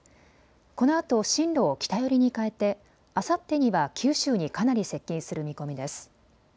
このあと進路を北寄りに変えてあさってには九州にかなり接近する見込みです。